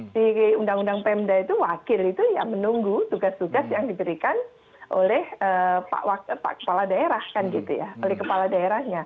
di undang undang pemda itu wakil itu ya menunggu tugas tugas yang diberikan oleh kepala daerah